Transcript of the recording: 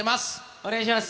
お願いします。